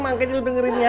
makanya lo dengerin ya